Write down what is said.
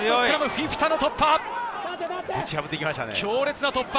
フィフィタの突破。